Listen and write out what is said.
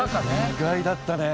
意外だったね。